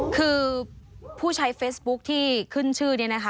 คือผู้ใช้เฟซบุ๊คที่ขึ้นชื่อนี้นะคะ